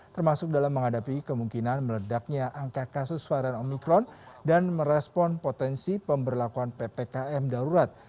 termasuk dalam menghadapi kemungkinan meledaknya angka kasus varian omikron dan merespon potensi pemberlakuan ppkm darurat